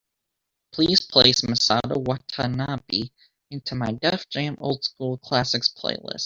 Please place Misato Watanabe onto my Def Jam Old School Classics playlist.